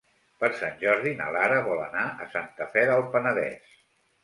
Per Sant Jordi na Lara vol anar a Santa Fe del Penedès.